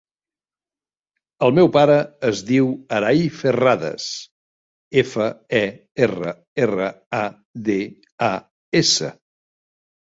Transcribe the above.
El meu pare es diu Aray Ferradas: efa, e, erra, erra, a, de, a, essa.